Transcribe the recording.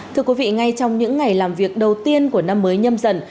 thưa quý vị ngay trong những ngày làm việc đầu tiên của năm mới nhâm dần